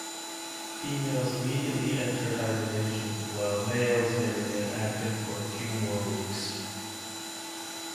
Females immediately enter hibernation, while males may remain active for a few more weeks.